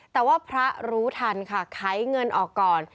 แต่ว่าพระรู้ทันค่ะไขเงินออกก่อน